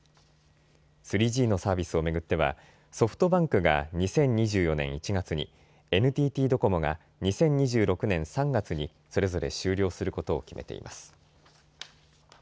３Ｇのサービスを巡ってはソフトバンクが２０２４年１月に、ＮＴＴドコモが２０２６年３月にそれぞれ終了することを決めています。